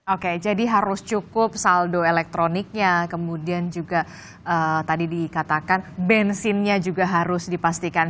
oke jadi harus cukup saldo elektroniknya kemudian juga tadi dikatakan bensinnya juga harus dipastikan